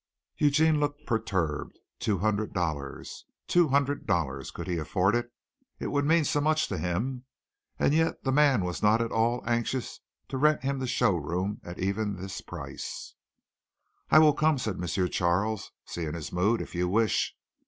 Eugene looked perturbed. Two hundred dollars! Two hundred dollars! Could he afford it? It would mean so much to him. And yet the man was not at all anxious to rent him the show room even at this price. "I will come," said M. Charles, seeing his mood, "if you wish.